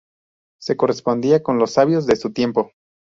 Se correspondía con los sabios de su tiempo.